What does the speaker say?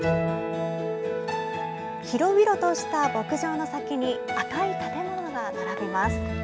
広々とした牧場の先に赤い建物が並びます。